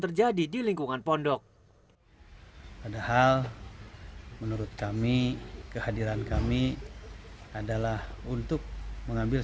terjadi di lingkungan pondok padahal menurut kami kehadiran kami adalah untuk mengambil